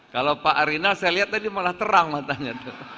kalau pak arinal saya lihat tadi malah terang matanya